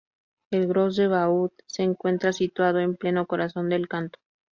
El Gros-de-Vaud se encuentra situado en pleno corazón del cantón.